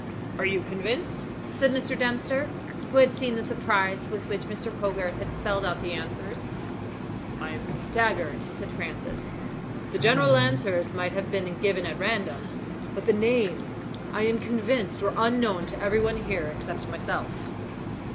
"Are you convinced?" said Mr. Dempster, who had seen the surprise with which Mr. Hogarth had spelled out the answers. "I am staggered," said Francis. "The general answers might have been given at random, but the names, I am convinced, were unknown to every one here except myself."